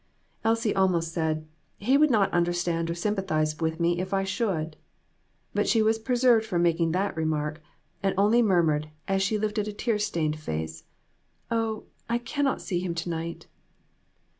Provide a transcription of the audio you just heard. Elsie almost said "He would not understand or sympathize with me if I should." But she was preserved from making that remark, and only murmured, as she lifted a tear stained face "Oh, I cannot see him to night."